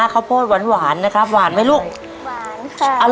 ข้าวโพดหวานหวานนะครับหวานไหมลูกหวานค่ะ